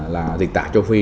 là dịch tạ châu phi